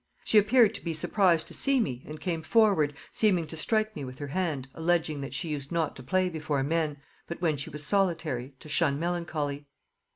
She appeared to be surprised to see me, and came forward, seeming to strike me with her hand, alleging that she used not to play before men, but when she was solitary, to shun melancholy.